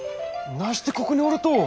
なしてここにおると！